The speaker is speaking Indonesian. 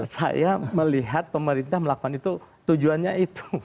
saya melihat pemerintah melakukan itu tujuannya itu